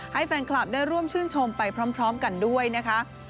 ให้แฟนคลับได้ร่วมชื่นชมไปพร้อมกันด้วยนะคะ